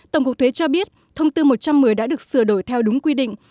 tổng cục thuế cho biết thông tư một trăm một mươi đã được sửa đổi theo đúng quy định